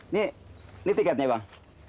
selamat siang bang